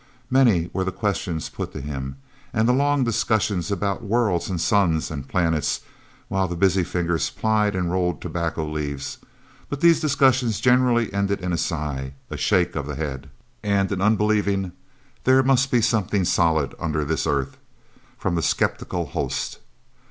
Many were the questions put to him, and long the discussions about worlds and suns and planets, while the busy fingers plied and rolled tobacco leaves, but these discussions generally ended in a sigh, a shake of the head, and an unbelieving, "there must be something solid under this earth," from the sceptical host.